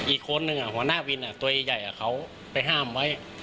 อีกคนหนึ่งอ่ะหัวหน้าวินอ่ะตัวอีกใหญ่อ่ะเขาไปห้ามไว้